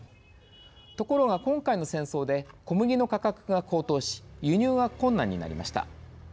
ところが、今回の戦争で小麦の価格が高騰し輸入が困難になりました。